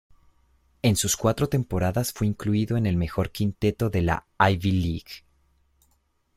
En sus cuatro temporadas fue incluido en el mejor quinteto de la Ivy League.